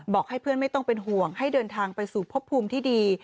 ให้เพื่อนไม่ต้องเป็นห่วงให้เดินทางไปสู่พบภูมิที่ดี